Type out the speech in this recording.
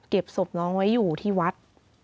ศพน้องไว้อยู่ที่วัด